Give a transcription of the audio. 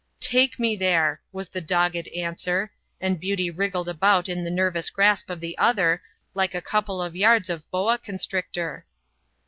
"Take me there," was the dogged answer, and Beauty wriggled about in the nervous grasp of the other like a couple of yards of boa constrictor.